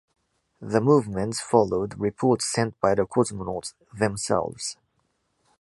The movements followed reports sent by the cosmonauts themselves.